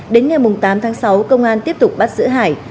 đến ngày tám tháng sáu công an tiếp tục bắt giữ hải